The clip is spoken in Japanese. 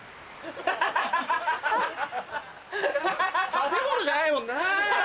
食べ物じゃないもんな！